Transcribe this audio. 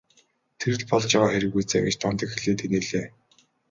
Тэр л болж яваа хэрэг биз ээ гэж Дондог хэлээд инээлээ.